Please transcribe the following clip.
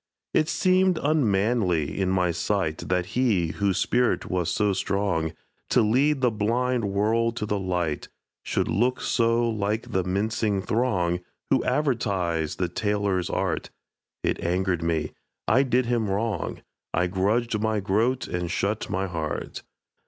It seemed unmanly in my sight That he, whose spirit was so strong To lead the blind world to the light, Should look so like the mincing throng Who advertise the tailor's art. It angered me I did him wrong I grudged my groat and shut my heart.